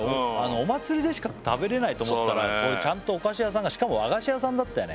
お祭りでしか食べれないと思ってたらこういうちゃんとお菓子屋さんがしかも和菓子屋さんだったよね